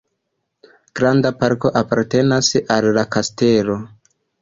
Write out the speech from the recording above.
Granda parko apartenas al la kastelo.